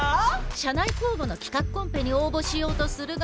社内公募の企画コンペに応募しようとするが。